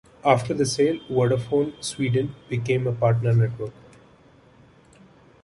After the sale, Vodafone Sweden became a partner network.